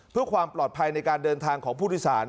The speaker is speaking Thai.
เพื่อความปลอดภัยในการเดินทางของผู้โดยสาร